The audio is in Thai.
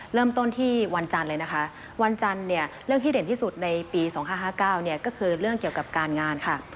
เริ่มต้นที่วันจันทร์เลยนะคะวันจันทร์เนี่ยเรื่องที่เด่นที่สุดในปี๒๕๕๙เนี่ยก็คือเรื่องเกี่ยวกับการงานค่ะ